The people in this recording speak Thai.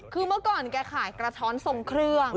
คือเมื่อก่อนแกขายกระท้อนทรงเครื่อง